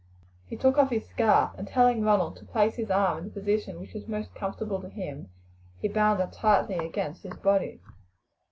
He took off his scarf, and, telling Ronald to place his arm in the position which was most comfortable to him, he bound it tightly against his body.